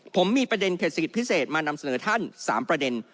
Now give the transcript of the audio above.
ผมมีประเด็นเพจพิเศษมานำเสนอท่าน๓ประเด็น